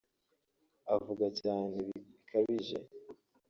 Avuga cyane bikabije